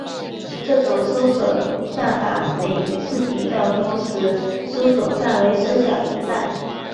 这种搜索算法每一次比较都使搜索范围缩小一半。